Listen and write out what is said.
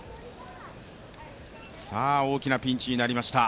大きなピンチになりました。